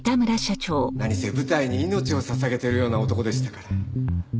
何せ舞台に命を捧げてるような男でしたから。